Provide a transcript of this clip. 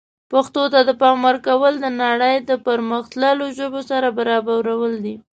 پښتو ته د پام ورکول د نړۍ د پرمختللو ژبو سره برابرول دي.